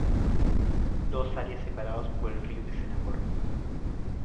Dos áreas separados por el río de Selangor.